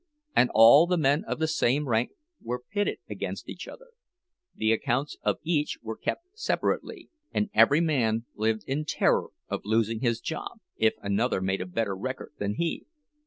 And all the men of the same rank were pitted against each other; the accounts of each were kept separately, and every man lived in terror of losing his job, if another made a better record than he.